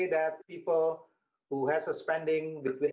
tidak melakukan inovasi